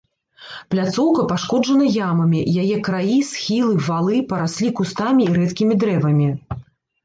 Пляцоўка пашкоджана ямамі, яе краі, схілы, валы параслі кустамі і рэдкімі дрэвамі.